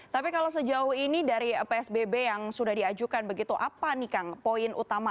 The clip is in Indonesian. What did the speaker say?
tapi kalau sejauh ini dari psbb yang sudah diajukan begitu apa nih kang poin utama